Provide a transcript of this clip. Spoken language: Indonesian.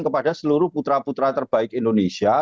kepada seluruh putra putra terbaik indonesia